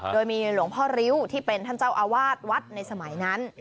โดยมีหลวงพ่อริ้วที่เป็นท่านเจ้าอาวาสวัดในสมัยนั้น